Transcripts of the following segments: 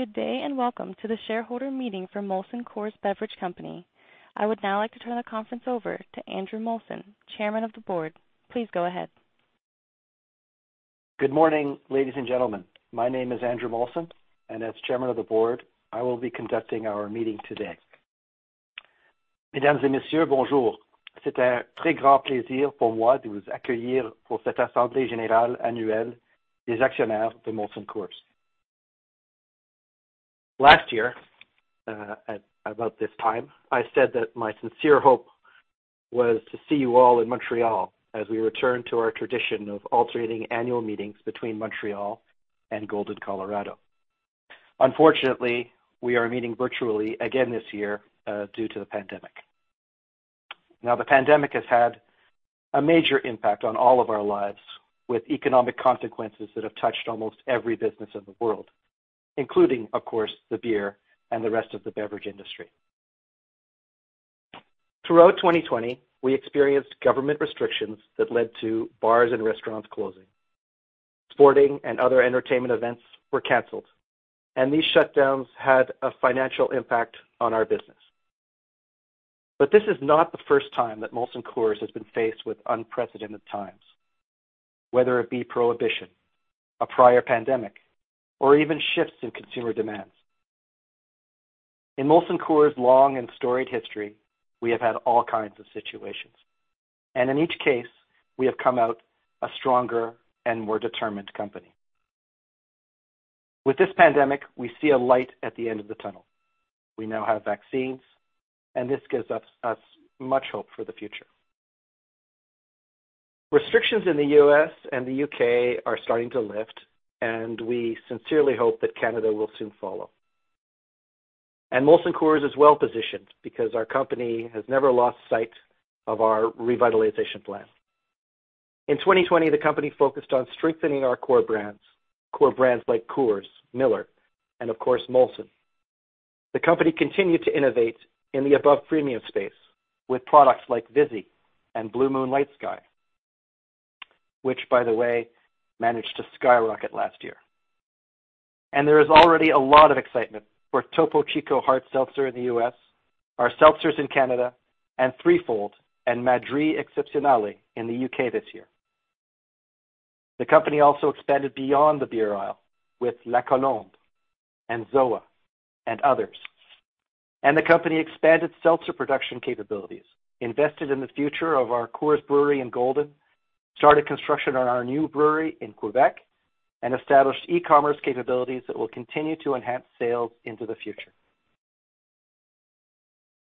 Good day, and welcome to the shareholder meeting for Molson Coors Beverage Company. I would now like to turn the conference over to Andrew Molson, Chairman of the Board. Please go ahead. Good morning, ladies and gentlemen. My name is Andrew Molson, and as Chairman of the Board, I will be conducting our meeting today. Last year, at about this time, I said that my sincere hope was to see you all in Montreal as we return to our tradition of alternating annual meetings between Montreal and Golden, Colorado. Unfortunately, we are meeting virtually again this year due to the pandemic. Now, the pandemic has had a major impact on all of our lives, with economic consequences that have touched almost every business in the world, including, of course, the beer and the rest of the beverage industry. Throughout 2020, we experienced government restrictions that led to bars and restaurants closing. Sporting and other entertainment events were canceled, and these shutdowns had a financial impact on our business. This is not the first time that Molson Coors has been faced with unprecedented times, whether it be prohibition, a prior pandemic, or even shifts in consumer demands. In Molson Coors' long and storied history, we have had all kinds of situations, and in each case, we have come out a stronger and more determined company. With this pandemic, we see a light at the end of the tunnel. We now have vaccines, and this gives us much hope for the future. Restrictions in the U.S. and the U.K. are starting to lift, and we sincerely hope that Canada will soon follow. Molson Coors is well-positioned because our company has never lost sight of our revitalization plan. In 2020, the company focused on strengthening our core brands, core brands like Coors, Miller, and of course, Molson. The company continued to innovate in the above premium space with products like Vizzy and Blue Moon LightSky, which by the way, managed to skyrocket last year. There is already a lot of excitement for Topo Chico Hard Seltzer in the U.S., our seltzers in Canada, and Three Fold and Madrí Excepcional in the U.K. this year. The company also expanded beyond the beer aisle with La Colombe and ZOA and others. The company expanded seltzer production capabilities, invested in the future of our Coors brewery in Golden, started construction on our new brewery in Quebec, and established e-commerce capabilities that will continue to enhance sales into the future.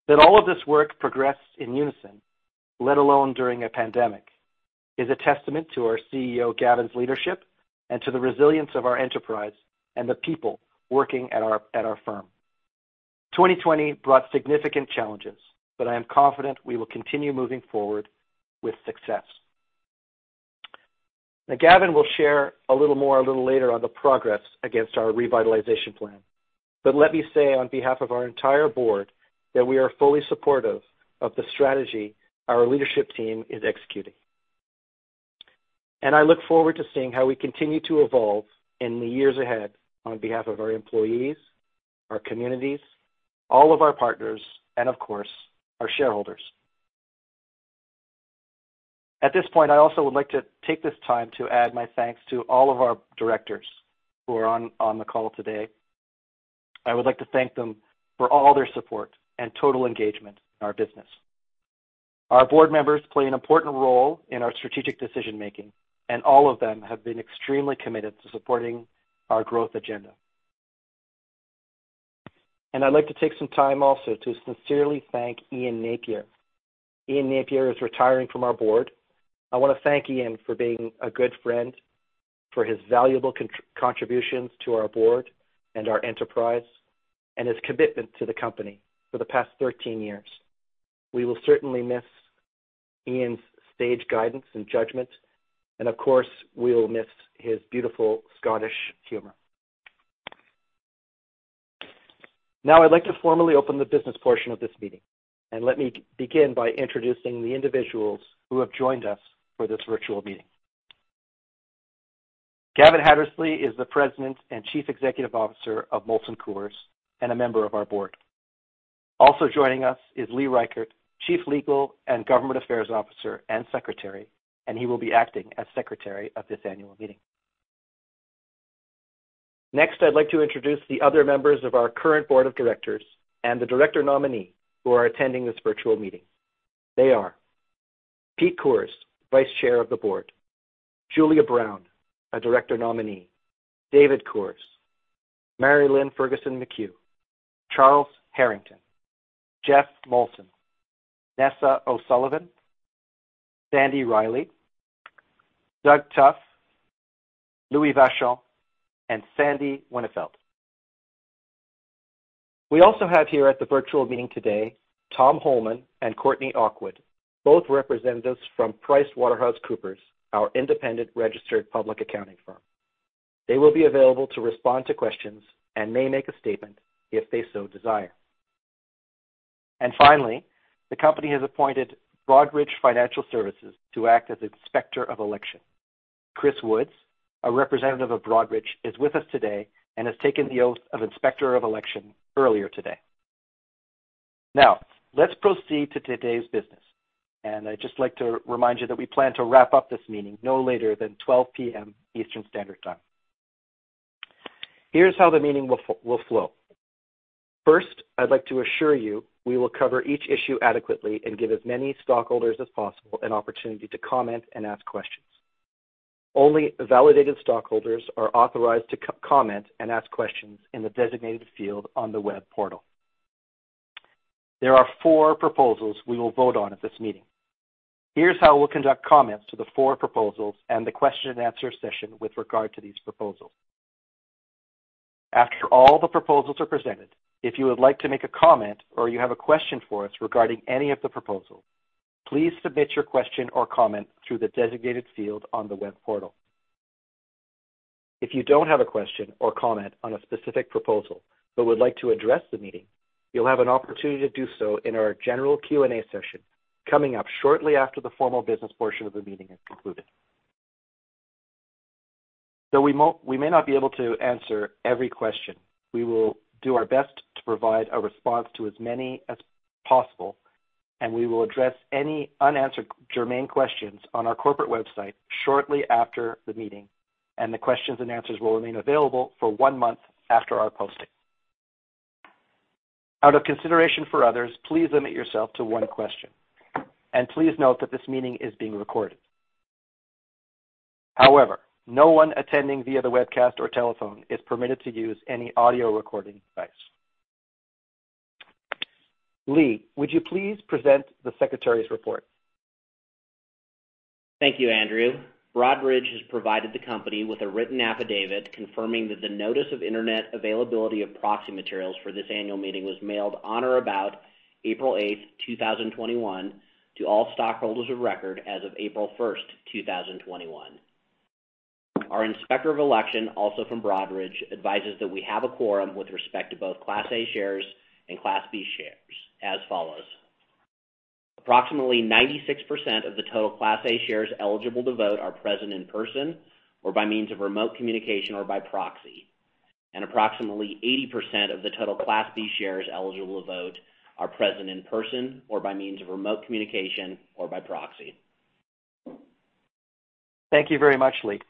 That all of this work progressed in unison, let alone during a pandemic, is a testament to our CEO Gavin's leadership and to the resilience of our enterprise and the people working at our firm. 2020 brought significant challenges, but I'm confident we will continue moving forward with success. Gavin will share a little more a little later on the progress against our revitalization plan. Let me say on behalf of our entire board that we are fully supportive of the strategy our leadership team is executing. I look forward to seeing how we continue to evolve in the years ahead on behalf of our employees, our communities, all of our partners, and of course, our shareholders. At this point, I also would like to take this time to add my thanks to all of our directors who are on the call today. I would like to thank them for all their support and total engagement in our business. Our board members play an important role in our strategic decision-making, and all of them have been extremely committed to supporting our growth agenda. I'd like to take some time also to sincerely thank Iain Napier. Iain Napier is retiring from our board. I want to thank Iain for being a good friend, for his valuable contributions to our board and our enterprise, and his commitment to the company for the past 13 years. We will certainly miss Iain's sage guidance and judgment, and of course, we'll miss his beautiful Scottish humor. Now, I'd like to formally open the business portion of this meeting, and let me begin by introducing the individuals who have joined us for this virtual meeting. Gavin Hattersley is the president and chief executive officer of Molson Coors, and a member of our board. Also joining us is Lee Reichert, chief legal and government affairs officer and secretary, and he will be acting as secretary of this annual meeting. Next, I'd like to introduce the other members of our current board of directors and the director nominee who are attending this virtual meeting. They are Pete Coors, vice chair of the board, Julia Brown, a director nominee, David Coors, Mary Lynn Ferguson-McHugh, Charles Herington, Jeff Molson, Nessa O'Sullivan, Sandy Riley, Doug Tough, Louis Vachon, and Sandy Winnefeld. We also have here at the virtual meeting today, Tom Holman and Courtney Oakwood, both representatives from PricewaterhouseCoopers, our independent registered public accounting firm. They will be available to respond to questions and may make a statement if they so desire. Finally, the company has appointed Broadridge Financial Solutions to act as its Inspector of Election. Chris Woods, a representative of Broadridge, is with us today and has taken the oath of Inspector of Election earlier today. Let's proceed to today's business. I'd just like to remind you that we plan to wrap up this meeting no later than 12:00 PM Eastern Standard Time. Here's how the meeting will flow. First, I'd like to assure you we will cover each issue adequately and give as many stockholders as possible an opportunity to comment and ask questions. Only validated stockholders are authorized to comment and ask questions in the designated field on the web portal. There are four proposals we will vote on at this meeting. Here's how we'll conduct comments for the four proposals and the question and answer session with regard to these proposals. After all the proposals are presented, if you would like to make a comment or you have a question for us regarding any of the proposals, please submit your question or comment through the designated field on the web portal. If you don't have a question or comment on a specific proposal but would like to address the meeting, you'll have an opportunity to do so in our general Q&A session coming up shortly after the formal business portion of the meeting is concluded. Though we may not be able to answer every question, we will do our best to provide a response to as many as possible, and we will address any unanswered germane questions on our corporate website shortly after the meeting, and the questions and answers will remain available for one month after our posting. Out of consideration for others, please limit yourself to one question. Please note that this meeting is being recorded. However, no one attending via the webcast or telephone is permitted to use any audio recording device. Lee, would you please present the Secretary's report? Thank you, Andrew. Broadridge has provided the company with a written affidavit confirming that the notice of Internet availability of proxy materials for this annual meeting was mailed on or about April 8th, 2021, to all stockholders of record as of April 1st, 2021. Our Inspector of Election, also from Broadridge, advises that we have a quorum with respect to both Class A shares and Class B shares as follows. Approximately 96% of the total Class A shares eligible to vote are present in person or by means of remote communication or by proxy, and approximately 80% of the total Class B shares eligible to vote are present in person or by means of remote communication or by proxy. Thank you very much, Lee.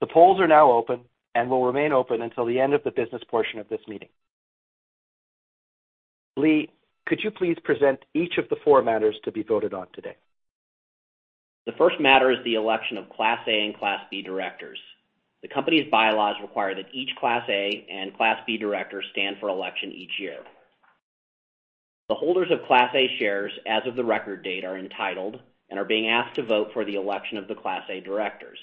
The polls are now open and will remain open until the end of the business portion of this meeting. Lee, could you please present each of the four matters to be voted on today? The first matter is the election of Class A and Class B directors. The company's bylaws require that each Class A and Class B director stand for election each year. The holders of Class A shares as of the record date are entitled and are being asked to vote for the election of the Class A directors.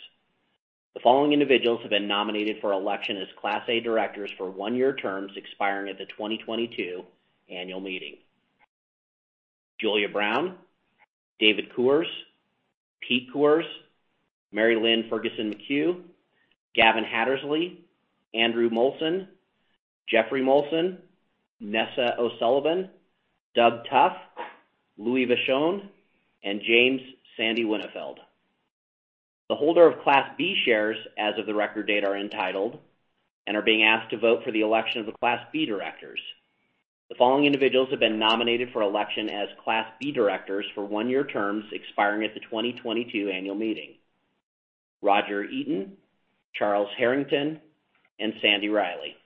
The following individuals have been nominated for election as Class A directors for one-year terms expiring at the 2022 annual meeting. Julia Brown, David Coors, Pete Coors, Mary Lynn Ferguson-McHugh, Gavin Hattersley, Andrew Molson, Geoffrey Molson, Nessa O'Sullivan, Doug Tough, Louis Vachon, and James Sandy Winnefeld. The holder of Class B shares as of the record date are entitled and are being asked to vote for the election of the Class B directors. The following individuals have been nominated for election as Class B directors for one-year terms expiring at the 2022 annual meeting. Roger Eaton, Charles Herington, and Sandy Riley.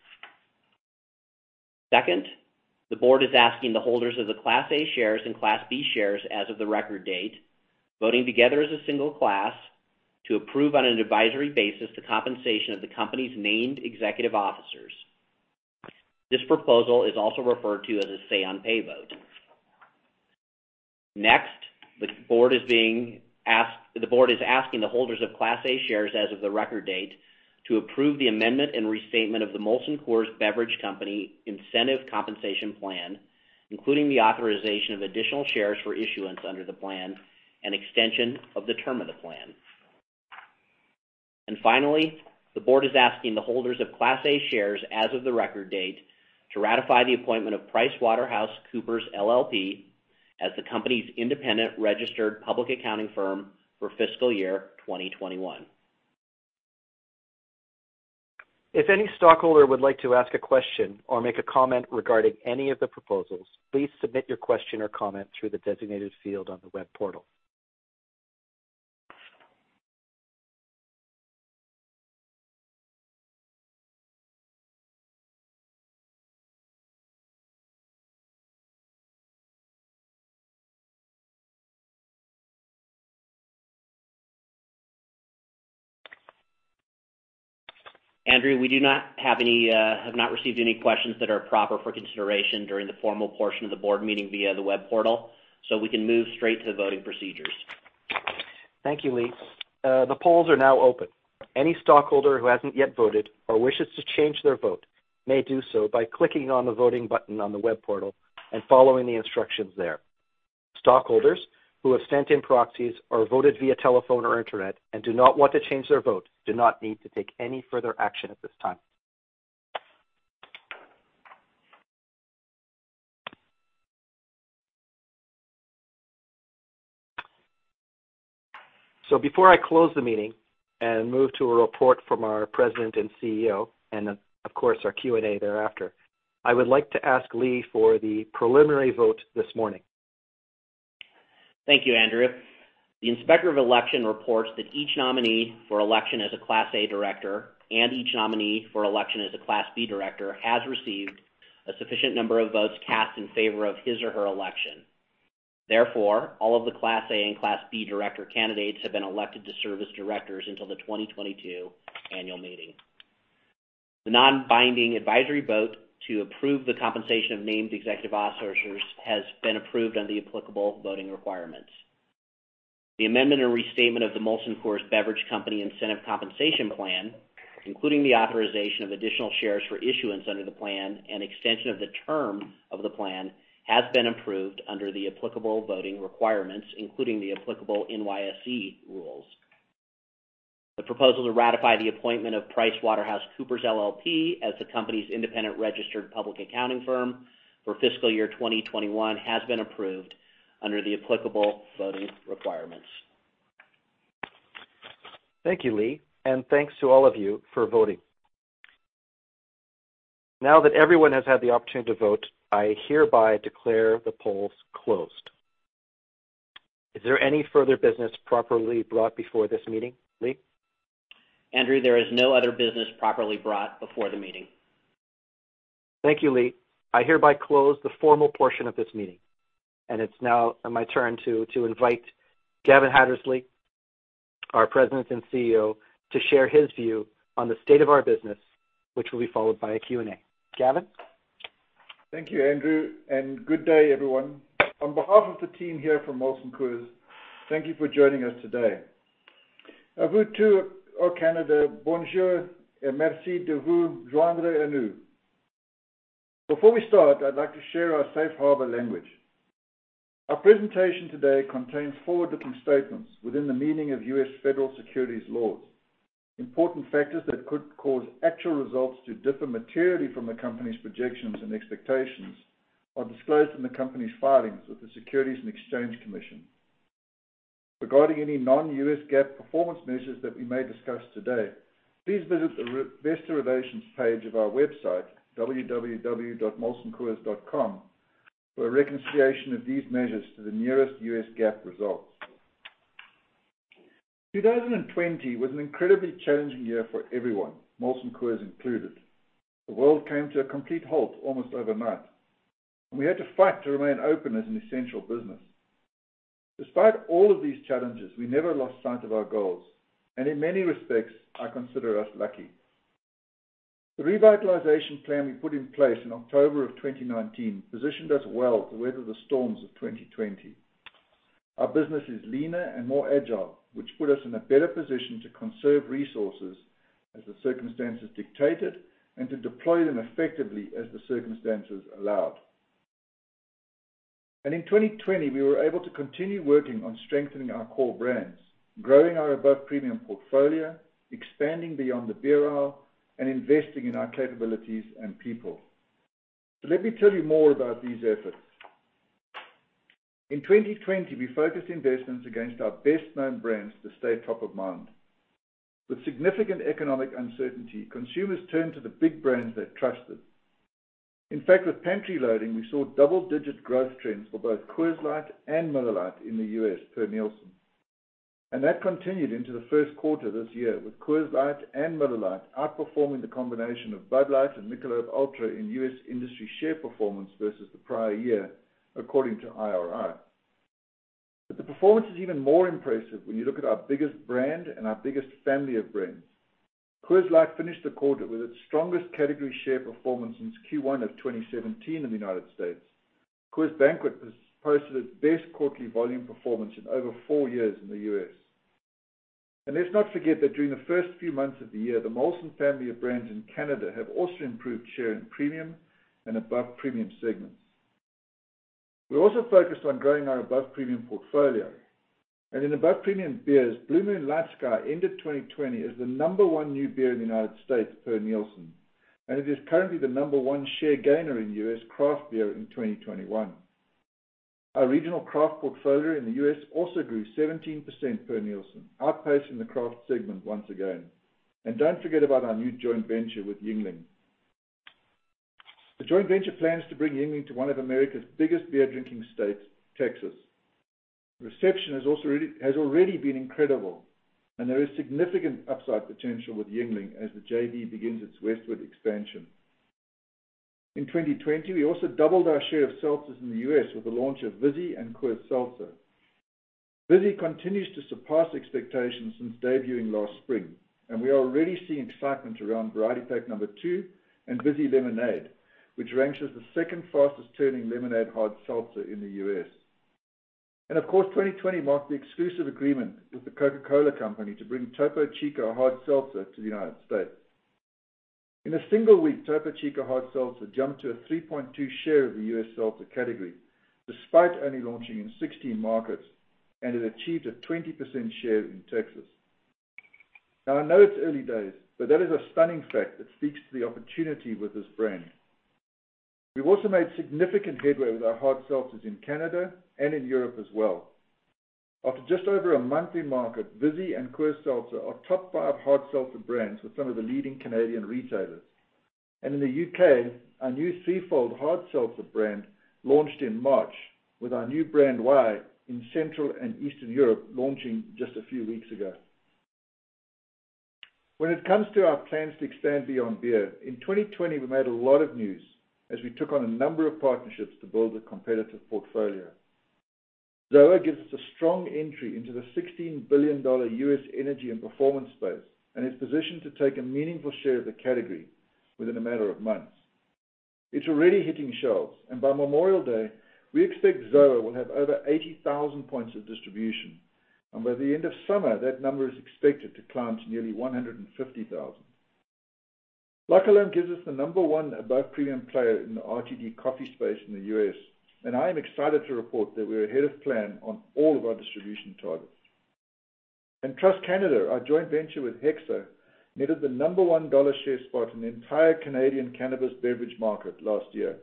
Second, the board is asking the holders of the Class A shares and Class B shares as of the record date, voting together as a single class, to approve on an advisory basis the compensation of the company's named executive officers. This proposal is also referred to as a say-on-pay vote. Next, the board is asking the holders of Class A shares as of the record date to approve the amendment and restatement of the Molson Coors Beverage Company Incentive Compensation Plan, including the authorization of additional shares for issuance under the plan and extension of the term of the plan. Finally, the board is asking the holders of Class A shares as of the record date to ratify the appointment of PricewaterhouseCoopers LLP as the company's independent registered public accounting firm for fiscal year 2021. If any stockholder would like to ask a question or make a comment regarding any of the proposals, please submit your question or comment through the designated field on the web portal. Andrew, we have not received any questions that are proper for consideration during the formal portion of the board meeting via the web portal, so we can move straight to the voting procedures. Thank you, Lee. The polls are now open. Any stockholder who hasn't yet voted or wishes to change their vote may do so by clicking on the voting button on the web portal and following the instructions there. Stockholders who have sent in proxies or voted via telephone or internet and do not want to change their vote do not need to take any further action at this time. Before I close the meeting and move to a report from our President and CEO and, of course, our Q&A thereafter, I would like to ask Lee for the preliminary vote this morning. Thank you, Andrew. The Inspector of Election reports that each nominee for election as a Class A director and each nominee for election as a Class B director has received a sufficient number of votes cast in favor of his or her election. Therefore, all of the Class A and Class B director candidates have been elected to serve as directors until the 2022 annual meeting. The non-binding advisory vote to approve the compensation of named executive officers has been approved under the applicable voting requirements. The amendment and restatement of the Molson Coors Beverage Company Incentive Compensation Plan, including the authorization of additional shares for issuance under the plan and extension of the term of the plan, have been approved under the applicable voting requirements, including the applicable NYSE rules. The proposal to ratify the appointment of PricewaterhouseCoopers LLP as the company's independent registered public accounting firm for fiscal year 2021 has been approved under the applicable voting requirements. Thank you, Lee, and thanks to all of you for voting. Now that everyone has had the opportunity to vote, I hereby declare the polls closed. Is there any further business properly brought before this meeting? Lee? Andrew, there is no other business properly brought before the meeting. Thank you, Lee. I hereby close the formal portion of this meeting, and it's now my turn to invite Gavin Hattersley, our President and CEO, to share his view on the state of our business, which will be followed by a Q&A. Gavin? Thank you, Andrew. Good day, everyone. On behalf of the team here from Molson Coors, thank you for joining us today. Before we start, I'd like to share our safe harbor language. Our presentation today contains forward-looking statements within the meaning of U.S. federal securities laws. Important factors that could cause actual results to differ materially from the company's projections and expectations are disclosed in the company's filings with the Securities and Exchange Commission. Regarding any non-U.S. GAAP performance measures that we may discuss today, please visit the investor relations page of our website, www.molsoncoors.com, for a reconciliation of these measures to the nearest U.S. GAAP results. 2020 was an incredibly challenging year for everyone, Molson Coors included. The world came to a complete halt almost overnight. We had to fight to remain open as an essential business. Despite all of these challenges, we never lost sight of our goals, and in many respects, I consider us lucky. The revitalization plan we put in place in October of 2019 positioned us well to weather the storms of 2020. Our business is leaner and more agile, which put us in a better position to conserve resources as the circumstances dictated and to deploy them effectively as the circumstances allowed. In 2020, we were able to continue working on strengthening our core brands, growing our above-premium portfolio, expanding beyond the beer aisle, and investing in our capabilities and people. Let me tell you more about these efforts. In 2020, we focused investments against our best-known brands to stay top of mind. With significant economic uncertainty, consumers turned to the big brands they trusted. In fact, with pantry loading, we saw double-digit growth trends for both Coors Light and Miller Lite in the U.S. per Nielsen. That continued into the first quarter this year, with Coors Light and Miller Lite outperforming the combination of Bud Light and Michelob Ultra in U.S. industry share performance versus the prior year, according to IRI. The performance is even more impressive when you look at our biggest brand and our biggest family of brands. Coors Light finished the quarter with its strongest category share performance since Q1 of 2017 in the United States. Coors Banquet posted its best quarterly volume performance in over four years in the U.S. Let's not forget that during the first few months of the year, the Molson family of brands in Canada have also improved share in premium and above-premium segments. We also focused on growing our above-premium portfolio. In above-premium beers, Blue Moon LightSky ended 2020 as the number one new beer in the United States per Nielsen, and it is currently the number one share gainer in U.S. craft beer in 2021. Our regional craft portfolio in the U.S. also grew 17% per Nielsen, outpacing the craft segment once again. Don't forget about our new joint venture with Yuengling. The joint venture plans to bring Yuengling to one of America's biggest beer-drinking states, Texas. Reception has already been incredible, and there is significant upside potential with Yuengling as the JV begins its westward expansion. In 2020, we also doubled our share of seltzers in the U.S. with the launch of Vizzy and Coors Seltzer. Vizzy continues to surpass expectations since debuting last spring, and we are already seeing excitement around Variety Pack number 2 and Vizzy Lemonade, which ranks as the second fastest-turning lemonade hard seltzer in the U.S. Of course, 2020 marked the exclusive agreement with The Coca-Cola Company to bring Topo Chico Hard Seltzer to the U.S. In a single week, Topo Chico Hard Seltzers have jumped to a 3.2% share of the U.S. seltzer category, despite only launching in 16 markets, and it achieved a 20% share in Texas. I know it's early days, but that is a stunning fact that speaks to the opportunity with this brand. We've also made significant headway with our hard seltzers in Canada and in Europe as well. After just over a month in market, Vizzy and Coors Seltzer are top five hard seltzer brands for some of the leading Canadian retailers. In the U.K., our new Three Fold hard seltzer brand launched in March, with our new brand, Wai, in Central and Eastern Europe launching just a few weeks ago. When it comes to our plans to expand beyond beer, in 2020, we made a lot of news as we took on a number of partnerships to build a competitive portfolio. Zoa gives us a strong entry into the $16 billion U.S. energy and performance space and is positioned to take a meaningful share of the category within a matter of months. It's already hitting shelves, and by Memorial Day, we expect Zoa will have over 80,000 points of distribution. By the end of summer, that number is expected to climb to nearly 150,000. La Colombe gives us the number one above premium player in the RTD coffee space in the U.S., and I am excited to report that we are ahead of plan on all of our distribution targets. Truss Canada, our joint venture with HEXO, netted the number one dollar share spot in the entire Canadian cannabis beverage market last year.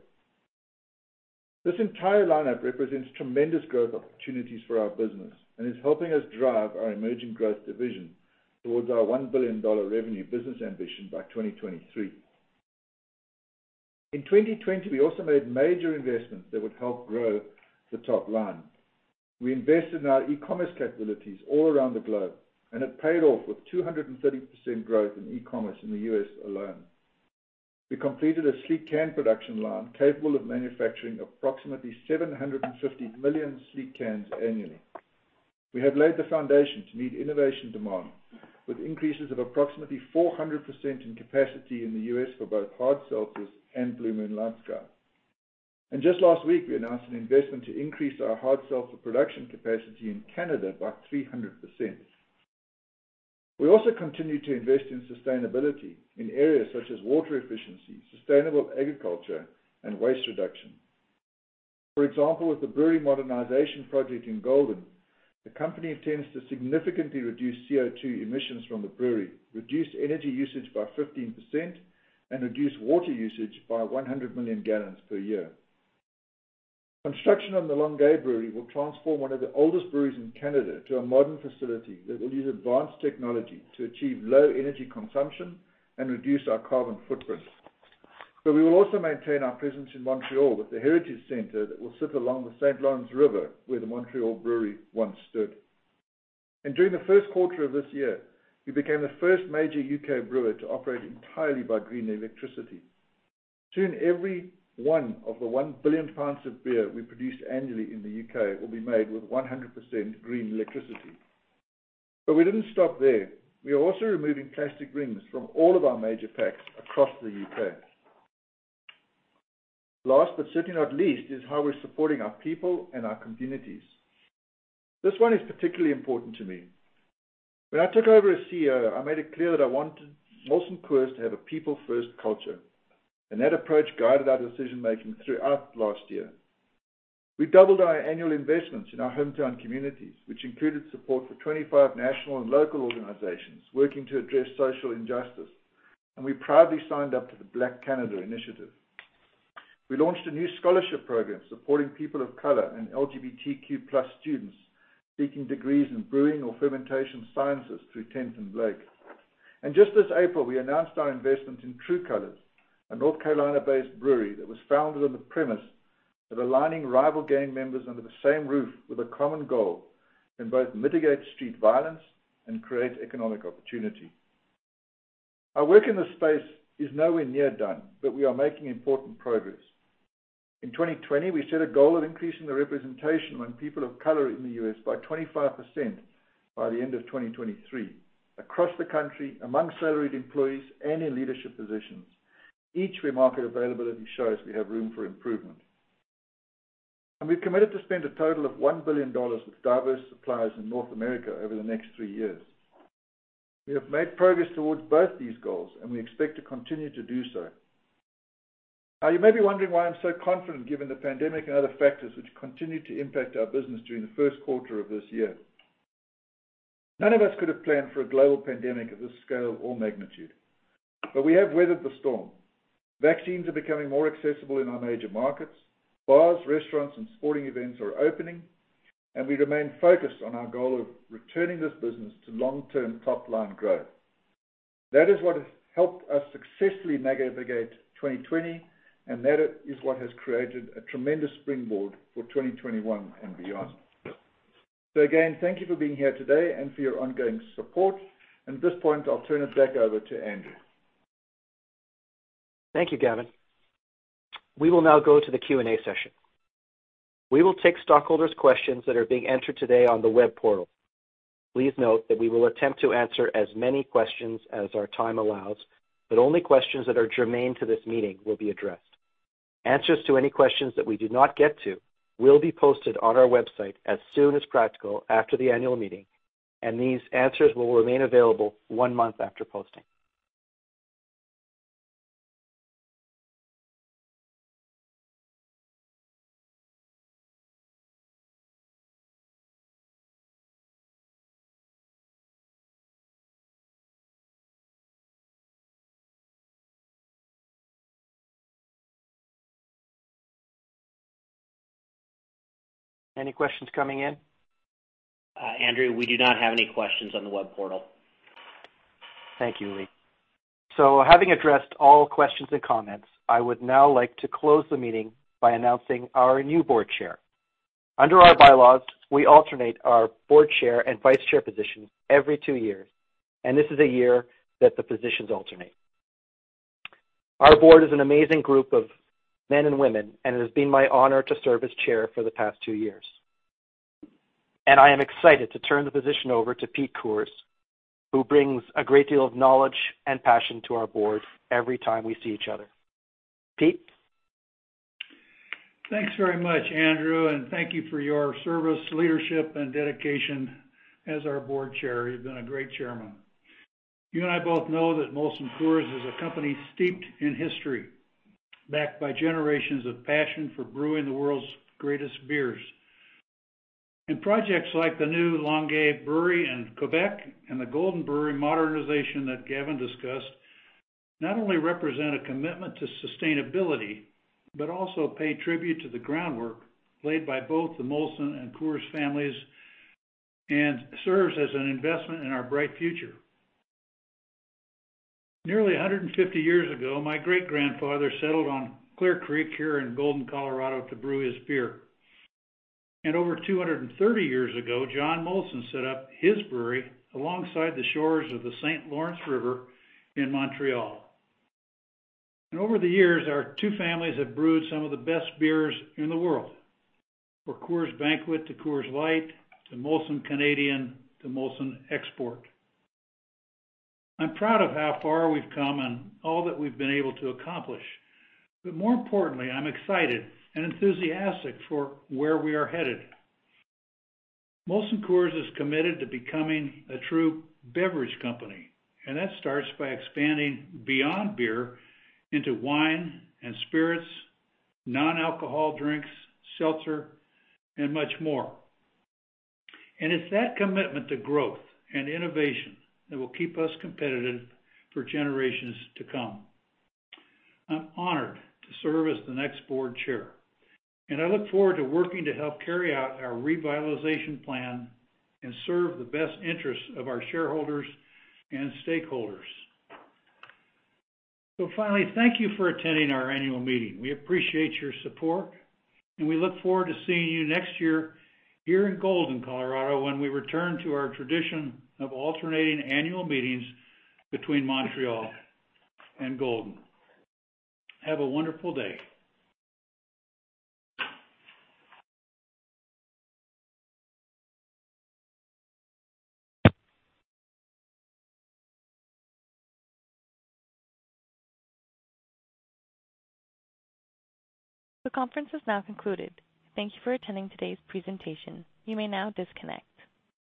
This entire lineup represents tremendous growth opportunities for our business and is helping us drive our emerging growth division towards our $1 billion revenue business ambition by 2023. In 2020, we also made major investments that would help grow the top line. We invested in our e-commerce capabilities all around the globe. It paid off with 230% growth in e-commerce in the U.S. alone. We completed a sleek can production line capable of manufacturing approximately 750 million sleek cans annually. We have laid the foundation to meet innovation demand with increases of approximately 400% in capacity in the U.S. for both hard seltzers and Blue Moon LightSky. Just last week, we announced an investment to increase our hard seltzer production capacity in Canada by 300%. We also continue to invest in sustainability in areas such as water efficiency, sustainable agriculture, and waste reduction. For example, with the brewery modernization project in Golden, the company intends to significantly reduce CO2 emissions from the brewery, reduce energy usage by 15%, and reduce water usage by 100 million gallons per year. Construction on the Longueuil brewery will transform one of the oldest breweries in Canada to a modern facility that will use advanced technology to achieve low energy consumption and reduce our carbon footprint. We will also maintain our presence in Montreal with the Heritage Center that will sit along the St. Lawrence River, where the Montreal brewery once stood. During the first quarter of this year, we became the first major U.K. brewer to operate entirely by green electricity. Soon, every one of the 1 billion pints of beer we produce annually in the U.K. will be made with 100% green electricity. We didn't stop there. We are also removing plastic rings from all of our major packs across the U.K. Last, but certainly not least, is how we're supporting our people and our communities. This one is particularly important to me. When I took over as CEO, I made it clear that I wanted Molson Coors to have a people-first culture, and that approach guided our decision-making throughout last year. We doubled our annual investments in our hometown communities, which included support for 25 national and local organizations working to address social injustice. We proudly signed up for the BlackNorth Initiative. We launched a new scholarship program supporting people of color and LGBTQ+ students seeking degrees in brewing or fermentation sciences through Tenth & Blake. Just this April, we announced our investment in TRU Colors, a North Carolina-based brewery that was founded on the premise of aligning rival gang members under the same roof with a common goal, and both mitigate street violence and create economic opportunity. Our work in this space is nowhere near done, but we are making important progress. In 2020, we set a goal of increasing the representation of people of color in the U.S. by 25% by the end of 2023 across the country, among salaried employees, and in leadership positions. Each market availability shows we have room for improvement. We've committed to spend a total of $1 billion with diverse suppliers in North America over the next three years. We have made progress towards both these goals, and we expect to continue to do so. Now, you may be wondering why I'm so confident given the pandemic and other factors which continue to impact our business during the first quarter of this year. None of us could have planned for a global pandemic of this scale or magnitude, but we have weathered the storm. Vaccines are becoming more accessible in our major markets. Bars, restaurants, and sporting events are opening, and we remain focused on our goal of returning this business to long-term top-line growth. That is what has helped us successfully navigate 2020, and that is what has created a tremendous springboard for 2021 and beyond. Again, thank you for being here today and for your ongoing support. At this point, I'll turn it back over to Andrew. Thank you, Gavin. We will now go to the Q&A session. We will take stockholders' questions that are being answered today on the web portal. Please note that we will attempt to answer as many questions as our time allows, but only questions that are germane to this meeting will be addressed. Answers to any questions that we do not get to will be posted on our website as soon as practical after the annual meeting, and these answers will remain available one month after posting. Any questions coming in? Andrew, we do not have any questions on the web portal. Thank you, Lee. Having addressed all questions and comments, I would now like to close the meeting by announcing our new board chair. Under our bylaws, we alternate our board chair and vice chair positions every two years, and this is a year that the positions alternate. Our board is an amazing group of men and women, and it's been my honor to serve as chair for the past two years. I am excited to turn the position over to Pete Coors, who brings a great deal of knowledge and passion to our board every time we see each other. Pete? Thanks very much, Andrew, thank you for your service, leadership, and dedication as our board chair. You've been a great chairman. You and I both know that Molson Coors is a company steeped in history, backed by generations of passion for brewing the world's greatest beers. Projects like the new Longueuil brewery in Quebec and the Golden brewery modernization that Gavin discussed not only represent a commitment to sustainability, but also pay tribute to the groundwork laid by both the Molson and Coors families and serves as an investment in our bright future. Nearly 150 years ago, my great-grandfather settled on Clear Creek here in Golden, Colorado, to brew his beer. Over 230 years ago, John Molson set up his brewery alongside the shores of the St. Lawrence River in Montreal. Over the years, our two families have brewed some of the best beers in the world, from Coors Banquet to Coors Light to Molson Canadian to Molson Export. I'm proud of how far we've come and all that we've been able to accomplish. More importantly, I'm excited and enthusiastic for where we are headed. Molson Coors is committed to becoming a true beverage company, and that starts by expanding beyond beer into wine and spirits, non-alcohol drinks, seltzer, and much more. It's that commitment to growth and innovation that will keep us competitive for generations to come. I'm honored to serve as the next board chair, and I look forward to working to help carry out our revitalization plan and serve the best interests of our shareholders and stakeholders. Finally, thank you for attending our annual meeting. We appreciate your support, we look forward to seeing you next year here in Golden, Colorado, when we return to our tradition of alternating annual meetings between Montreal and Golden. Have a wonderful day. The conference is now concluded. Thank you for attending today's presentation. You may now disconnect.